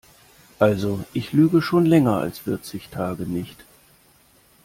Also ich lüge schon länger als vierzig Tage nicht.